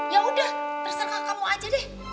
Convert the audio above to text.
ya udah terserah kamu aja deh